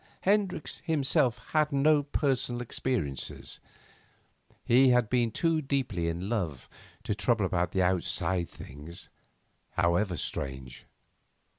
Hendricks himself had no personal experiences. He had been too deeply in love to trouble about outside things, however strange.